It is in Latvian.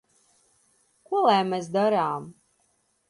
Ko lai mēs darām?